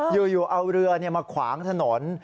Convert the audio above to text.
อยู่เอาเรือมาขวางถนน